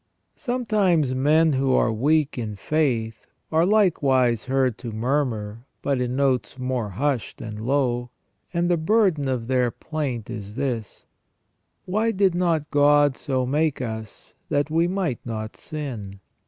" Sometimes men who are weak in faith are likewise heard to murmur, but in notes more hushed and low, and the burden of their plaint is this :" Why did not God so make us that we might not sin?"